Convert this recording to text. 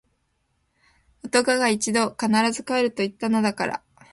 男が一度・・・！！！必ず帰ると言ったのだから！！！